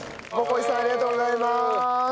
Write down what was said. いさんありがとうございます！